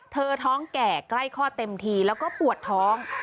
ท้องแก่ใกล้คลอดเต็มทีแล้วก็ปวดท้อง